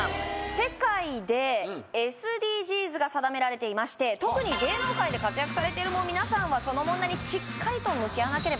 世界でＳＤＧｓが定められていまして特に芸能界で活躍されてる皆さんはその問題にしっかりと向き合わなければなりません